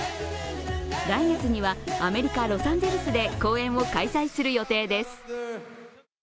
来月には、アメリカ・ロサンゼルスで公演を開催する予定です。